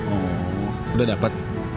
oh udah dapat